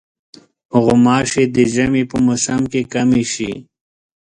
غوماشې د ژمي په موسم کې کمې شي.